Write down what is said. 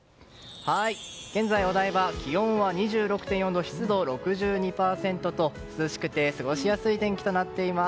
現在、お台場は気温２６．４度湿度６２％と、涼しくて過ごしやすい天気となっています。